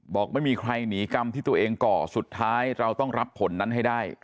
บอกไม่มีใครหนีกรรมที่ตัวเองก่อสุดท้ายเราต้องรับผลนั้นให้ได้